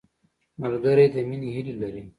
ملګری د مینې هیلې لري